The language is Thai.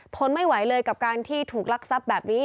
ทนไม่ไหวเลยกับการที่ถูกลักทรัพย์แบบนี้